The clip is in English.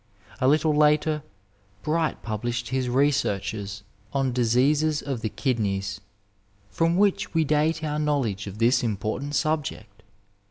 A little later Bright published his researches on diseases of the kidneys, from which we date our knowledge of this important subject.